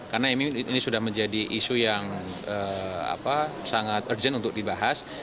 karena ini sudah menjadi isu yang sangat urgent untuk dibahas